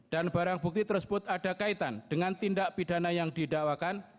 dan barang bukti tersebut ada kaitan dengan tindak pidana yang didakwakan